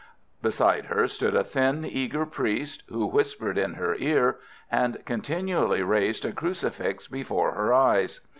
Beside her stood a thin, eager priest, who whispered in her ear, and continually raised a crucifix before her eyes.